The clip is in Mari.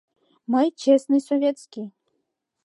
— Мый честный советский...